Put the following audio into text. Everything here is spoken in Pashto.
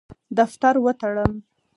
دفتر وتړم.